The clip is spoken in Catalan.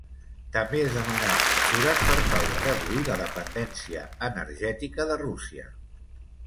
També es demanaran mesures per tal de reduir la dependència energètica de Rússia.